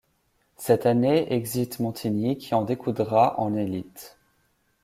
Cette année exit Montigny qui en découdra en élite.